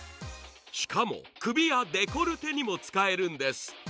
しかも首やデコルテにも使えるんです。